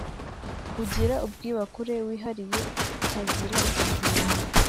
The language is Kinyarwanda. ugira ubwibakure, wihariye, ukazira ikizinga,